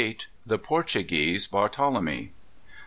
_The Portuguese Barthelemy.